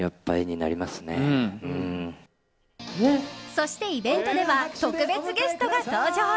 そしてイベントでは特別ゲストが登場。